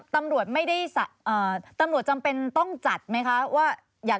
ตำรวจจำเป็นต้องจัดไหมคะ